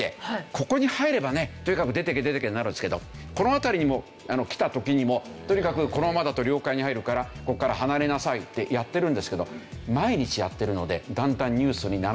ここに入ればねとにかく出てけ出てけになるんですけどこの辺りに来た時にもとにかくこのままだと領海に入るからここから離れなさいってやってるんですけど毎日やってるのでだんだんニュースにならなくなってくる。